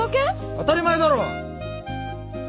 当たり前だろ！